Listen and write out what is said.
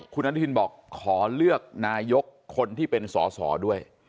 คุณอนุทินบอกขอเลือกนายกคนที่เป็นสอสอด้วย